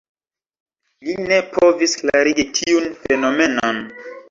Li ne povis klarigi tiun fenomenon.